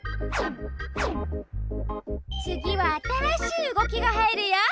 つぎはあたらしいうごきがはいるよ。